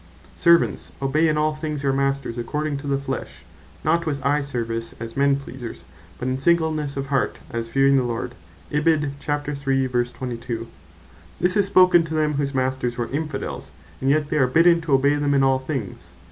"Servants obey in all things your Masters according to the flesh, not with eye service, as men pleasers, but in singlenesse of heart, as fearing the Lord;" This is spoken to them whose Masters were Infidells; and yet they are bidden to obey them In All Things.